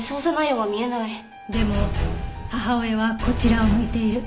でも母親はこちらを向いている。